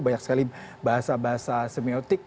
banyak sekali bahasa bahasa semiotik